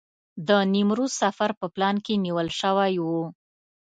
د نیمروز سفر په پلان کې نیول شوی و.